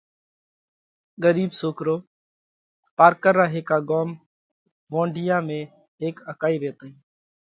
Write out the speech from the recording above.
ڳرِيٻ سوڪرو: پارڪر را هيڪا ڳوم (وونڍِيا) ۾ هيڪ اڪائِي ريتئِي۔